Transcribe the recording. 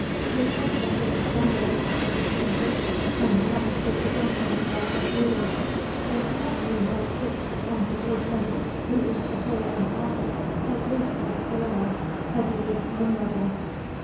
"To which of this assembly," said the stranger, "am I to address myself as leader? or have you not fixed upon the person who is to hold an office at least as perilous as it is honourable?"